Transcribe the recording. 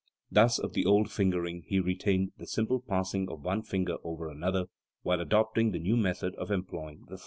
Thus of the old 'fingering he retained the simple passing of one finger over another, while adopting the new method of employing the thumb.